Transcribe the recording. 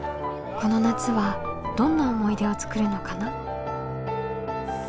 この夏はどんな思い出を作るのかな？